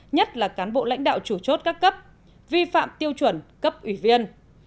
nhất là cán bộ lãnh đạo chủ chốt các cấp vi phạm tiêu chuẩn cấp ủy viên